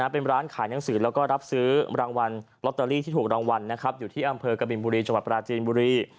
เป็นร้านขายหนังสือแล้วก็รับซื้อรางวัลลอตเตอรี่ที่ถูกรางวัลอยู่ที่อำเภอกบินบุรีจังหวัดปราจีนบุรี